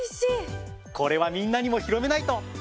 これはみんなにも広めないと！